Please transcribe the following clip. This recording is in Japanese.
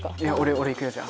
おれ行くよじゃあ。